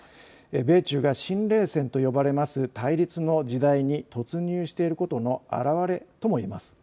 米中が新冷戦と呼ばれます対立の時代に突入していることの現れと言えます。